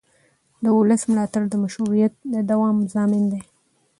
د ولس ملاتړ د مشروعیت د دوام ضامن دی